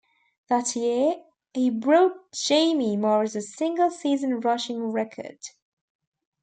That year, he broke Jamie Morris's single-season rushing record.